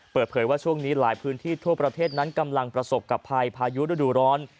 เปิดเผยว่าช่วงนี้หลายพื้นที่ทั่วประเทศนั้นกำลังประสบกับภัยพายุฤดูร้อน